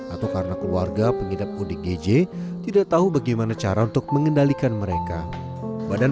atau karena keluarga pengidap odgj tidak tahu bagaimana cara untuk mengendalikan mereka badan